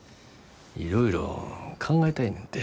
いろいろ考えたいねんて。